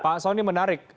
pak soni menarik